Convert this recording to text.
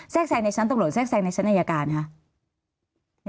แทรกแสงในชั้นตรงหลวงแทรกแสงในชั้นนัยการนะคะ